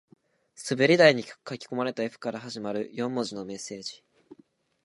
滑り台に書き込まれた Ｆ から始まる四文字のメッセージ